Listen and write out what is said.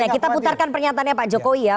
kita putarkan pernyataannya pak jokowi ya